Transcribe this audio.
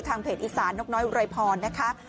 ทางเพจอีศาลนกน้อยอุรัยพรนะคะ